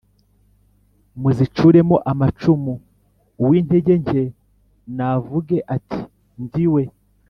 muzicuremo amacumu Uw intege nke navuge ati ndi we